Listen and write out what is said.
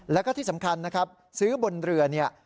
แล้วก็ที่สำคัญนะครับซื้อบนเรือเนี่ย